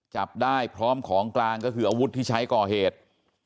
จับได้พร้อมของกลางก็คืออาวุธที่ใช้ก่อเหตุ